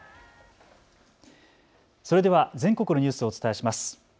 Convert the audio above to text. それでは全国のニュースをお伝えします。